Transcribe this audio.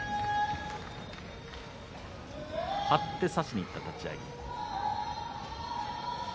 張って差しにいった立ち合いでした。